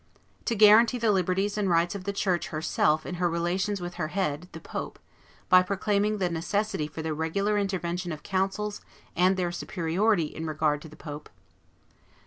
To guarantee the liberties and rights of the church herself in her relations with her head, the pope, by proclaiming the necessity for the regular intervention of councils and their superiority in regard to the pope; 3.